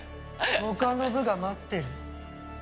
他の部が待ってる。